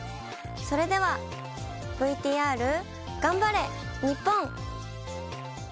それではＶＴＲ頑張れ日本！